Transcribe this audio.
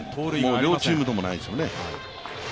両チームとも、ないですもんね。